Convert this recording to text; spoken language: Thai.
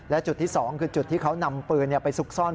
และจุดที่๒คือจุดที่เขานำปืนไปซุกซ่อน